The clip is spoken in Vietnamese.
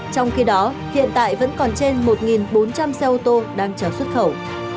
trong khi đó hiện tại vẫn còn trên một bốn trăm linh xe ô tô đang chờ xuất khẩu